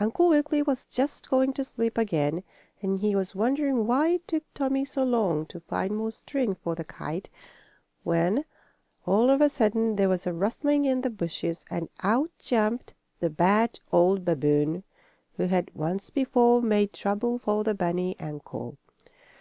Uncle Wiggily was just going to sleep again, and he was wondering why it took Tommie so long to find more string for the kite, when, all of a sudden, there was a rustling in the bushes, and out jumped the bad old babboon, who had, once before, made trouble for the bunny uncle.